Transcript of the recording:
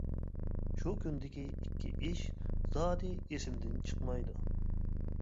شۇ كۈندىكى ئىككى ئىش زادى ئېسىمدىن چىقمايدۇ.